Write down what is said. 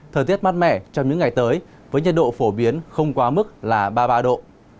thời tiết mát mẻ trong những ngày tới với nhiệt độ phổ biến không quá mức là ba mươi ba độ